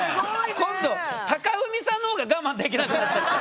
今度貴文さんの方が我慢できなくなったんだ。